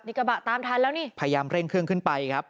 กระบะตามทันแล้วนี่พยายามเร่งเครื่องขึ้นไปครับ